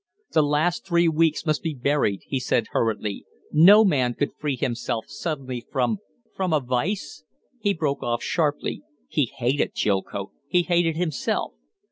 "The last three weeks must be buried," he said, hurriedly. "No man could free himself suddenly from from a vice." He broke off abruptly. He hated Chilcote; he hated himself.